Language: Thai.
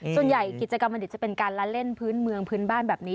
ส่วนใหญ่กิจกรรมวันเด็กจะเป็นการล้านเล่นพื้นเมืองพื้นบ้านแบบนี้